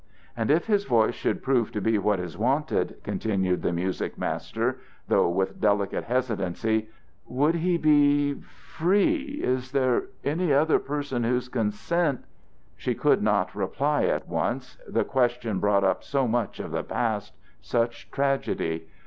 "And if his voice should prove to be what is wanted," continued the music master, though with delicate hesitancy, "would he be free? Is there any other person whose consent " She could not reply at once. The question brought up so much of the past, such tragedy!